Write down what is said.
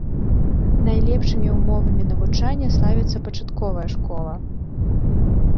Найлепшымі ўмовамі навучання славіцца пачатковая школа.